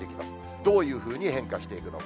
どういうふうに変化していくのか。